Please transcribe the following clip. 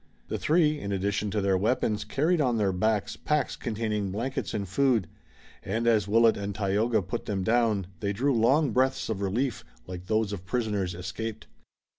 The three, in addition to their weapons, carried on their backs packs containing blankets and food, and as Willet and Tayoga put them down they drew long breaths of relief like those of prisoners escaped.